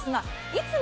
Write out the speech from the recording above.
いつも？